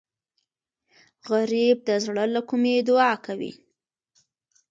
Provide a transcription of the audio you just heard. غریب د زړه له کومي دعا کوي